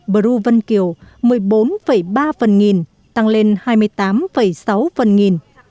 bru vân kiều một mươi bốn ba phần nghìn tăng lên hai mươi tám sáu phần nghìn